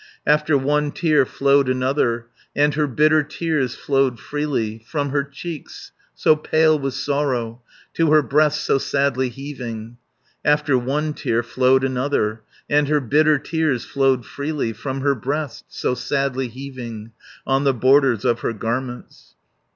450 After one tear flowed another, And her bitter tears flowed freely From her cheeks, so pale with sorrow, To her breast, so sadly heaving. After one tear flowed another, And her bitter tears flowed freely From her breast, so sadly heaving, On the borders of her garments.